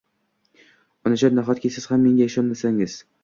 Onajon nahotki siz ham menga ishonmasangiz?